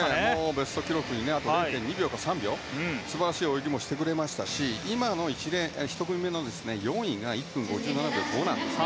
ベスト記録にあと０．２秒か３秒という素晴らしい泳ぎをしてくれましたし今の１組目の４位が１分５７秒５なんです。